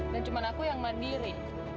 dan cuma aku yang mandiri